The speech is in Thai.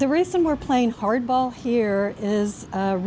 เรายังมีปฏิบัติความการทะเล